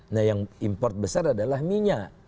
nah yang import besar adalah minyak